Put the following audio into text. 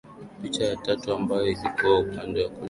Picha ya tatu ambayo ilikuwa upande wa kulia wa ile ya mzee makame